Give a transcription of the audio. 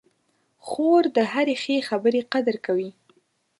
خور د هرې ښې خبرې قدر کوي.